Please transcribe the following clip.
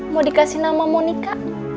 mau dikasih nama monika